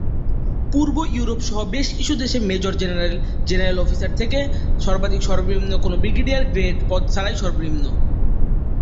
পূর্ব Europe সহ বেশ কিছু দেশে মেজর জেনারেল, জেনারেল অফিসার থেকে সর্বাধিক সর্বনিম্ন, কোন ব্রিগেডিয়ার-গ্রেড পদ ছাড়াই সর্বনিম্ন।